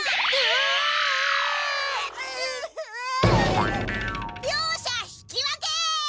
ああ。両者引き分け！